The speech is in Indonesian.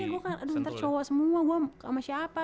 iya gue kan aduh ntar cowok semua gue sama siapa